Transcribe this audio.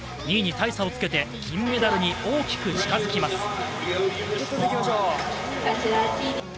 ２位に大差をつけて金メダルに大きく近づきます。